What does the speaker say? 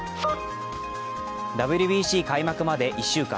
ＷＢＣ開幕まで１週間。